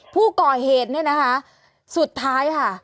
ผู้ก่อเหตุเนี่ยนะคะสุดท้ายค่ะ